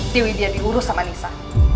tapi dia diurus sama nisa